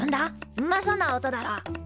うまそうな音だろ？